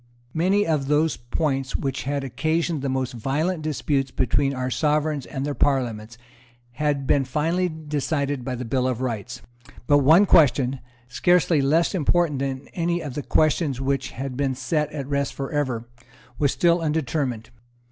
Many of those points which had occasioned the most violent disputes between our Sovereigns and their Parliaments had been finally decided by the Bill of Rights. But one question, scarcely less important than any of the questions which had been set at rest for ever, was still undetermined.